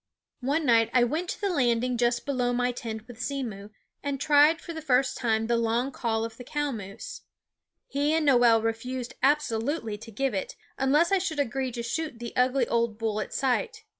One night I went to the landing just below my tent with Simmo and tried for the first time the long call of the cow moose. He and Noel refused absolutely to give it, unless I should agree to shoot the ugly old bull at sight.